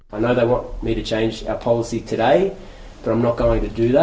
saya tahu mereka ingin saya mengubah polisi kita hari ini tapi saya tidak akan melakukannya